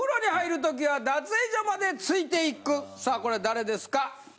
さあこれは誰ですか？